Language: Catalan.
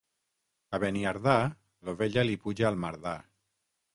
A Beniardà l'ovella li puja al mardà.